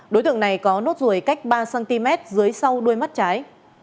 đối tượng này có nốt ruồi cách ba cm dưới sau đuôi mắt trái